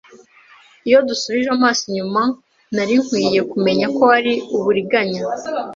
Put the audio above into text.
Iyo dusubije amaso inyuma, nari nkwiye kumenya ko ari uburiganya.